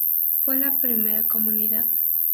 Fue la primera comunidad.